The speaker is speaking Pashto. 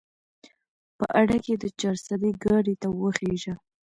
په اډه کښې د چارسدې ګاډي ته وخېژه